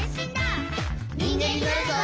「にんげんになるぞ！」